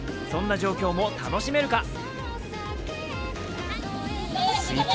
そんな状況も楽しめるか。